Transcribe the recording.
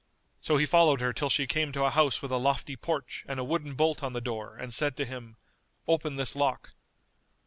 So he followed her till she came to a house with a lofty porch and a wooden bolt on the door and said to him, "Open this lock."